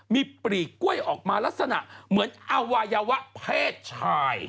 มีปลีกกล้วยออกมาลักษณะเหมือนอวัยวะเพศชาย